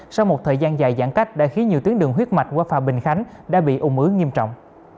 sau một thời gian dài giãn cách đã khiến nhiều tuyến đường huyết mạch qua phà bình khánh đã bị ủng ứ nghiêm trọng